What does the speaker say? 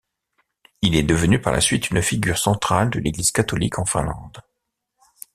Il est devenu par la suite une figure centrale de l'Église catholique en Finlande.